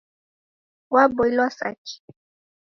Waboilwa sa ki